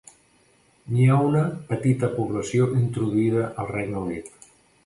N'hi ha una petita població introduïda al Regne Unit.